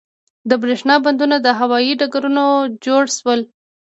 د بریښنا بندونه او هوایی ډګرونه جوړ شول.